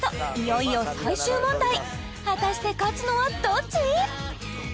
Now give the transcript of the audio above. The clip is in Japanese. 果たして勝つのはどっち！？